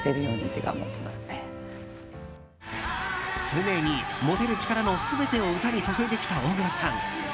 常に持てる力の全てを歌に注いできた大黒さん。